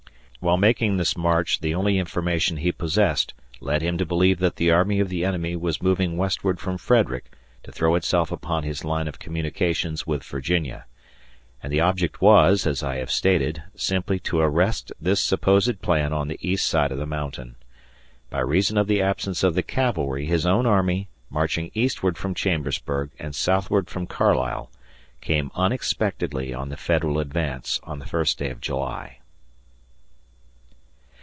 ... While making this march the only information he possessed led him to believe that the army of the enemy was moving westward from Frederick to throw itself upon his line of communications with Virginia; and the object was, as I have stated, simply to arrest this supposed plan on the east side of the mountain. ... By reason of the absence of the cavalry his own army, marching eastward from Chambersburg and southward from Carlisle, came unexpectedly on the Federal advance on the first day of July.